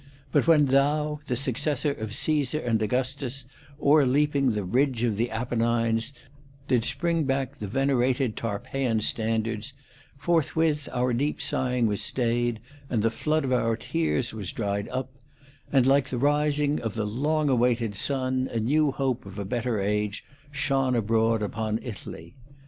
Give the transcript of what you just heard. But when thou, the successor of Caesar and of Augustus, o'erleaping the ridge of the Apennines, didst bring back the venera ted Tarpeian standards, forthwith our deep sighing was stayed, and the flood of our tears was dried up ; and like the rising of the long awaited Sun, a new hope of a better age shone abroad upon Italy.